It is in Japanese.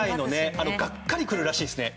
がっかり来るらしいですね。